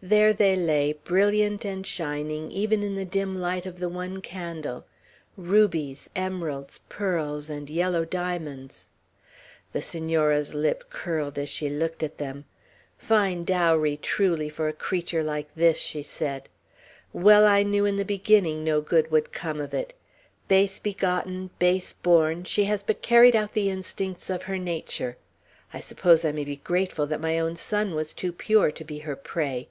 There they lay, brilliant and shining even in the dim light of the one candle, rubies, emeralds, pearls, and yellow diamonds. The Senora's lip curled as she looked at them. "Fine dowry, truly, for a creature like this!" she said. "Well I knew in the beginning no good would come of it; base begotten, base born, she has but carried out the instincts of her nature. I suppose I may be grateful that my own son was too pure to be her prey!"